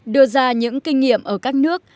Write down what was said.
đưa ra những kinh nghiệm ở các nước